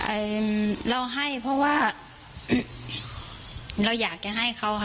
เอ่อเราให้เพราะว่าเราอยากจะให้เขาค่ะ